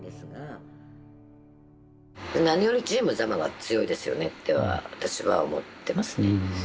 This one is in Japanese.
何よりチーム座間は強いですよねっては私は思ってますね。